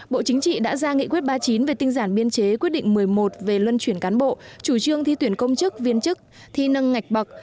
bộ chính trị đã ra nghị quyết ba mươi chín về tinh giản biên chế quyết định một mươi một về luân chuyển cán bộ chủ trương thi tuyển công chức viên chức thi nâng ngạch bậc